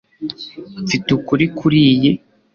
mfite ukuri kuriyi